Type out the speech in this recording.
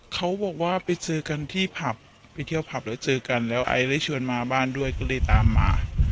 เขาบอกว่าไปเจอกันที่ผับไปเที่ยวผับแล้วเจอกันแล้วไอได้ชวนมาบ้านด้วยก็เลยตามมา